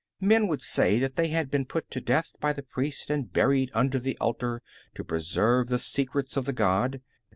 Men would say that they had been put to death by the priest and buried under the altar to preserve the secrets of the god.